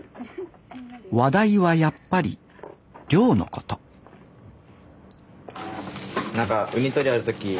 話題はやっぱり漁のこと何かウニ取りある時